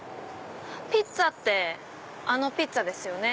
ピッツァってあのピッツァですよね。